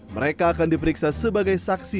mereka akan diperiksa sebagai saksi